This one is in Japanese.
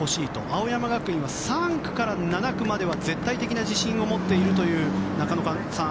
青山学院は３区から７区までは絶対的な自信を持っているという中野さん